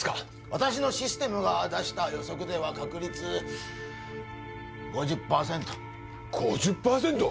私のシステムが出した予測では確率５０％５０％！？